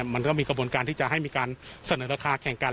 มันต้องมีกระบวนการที่จะให้มีการเสนอราคาแข่งกัน